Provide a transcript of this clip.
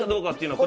これ！